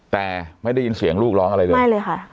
แต่ไม่ได้ยินเสียงลูกร้องอะไรเลยไม่เลยค่ะ